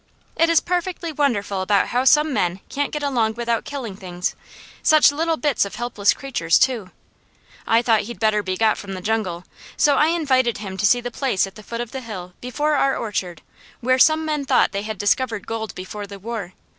It is perfectly wonderful about how some men can't get along without killing things, such little bits of helpless creatures too. I thought he'd better be got from the jungle, so I invited him to see the place at the foot of the hill below our orchard where some men thought they had discovered gold before the war.